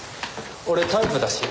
俺タイプだし。